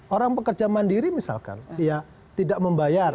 orang pekerja mandiri misalkan ya tidak membayar